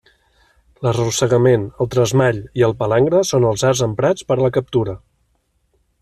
L'arrossegament, el tresmall i el palangre són els arts emprats per a la captura.